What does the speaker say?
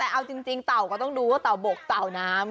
แต่เอาจริงเต่าก็ต้องดูว่าเต่าบกเต่าน้ำ